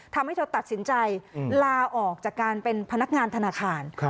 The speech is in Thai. ทำให้เธอตัดสินใจลาออกจากการเป็นพนักงานธนาคาร